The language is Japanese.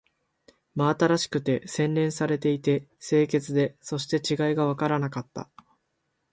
真新しくて、洗練されていて、清潔で、そして違いがわからなかった